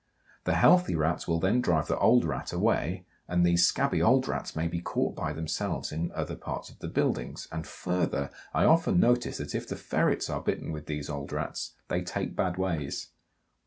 The healthy Rats will then drive the old Rat away, and these scabby old Rats may be caught by themselves in other parts of the buildings; and, further, I often notice that if the ferrets are bitten with these old Rats, they "take bad ways."